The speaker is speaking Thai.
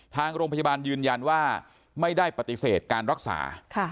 ทางโรงพยาบาลยืนยันว่าไม่ได้ปฏิเสธการรักษา